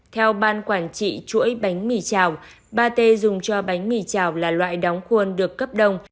theo ban quản trị chuỗi bánh mì chảo ba t dùng cho bánh mì chảo là loại đóng khuôn được cấp đông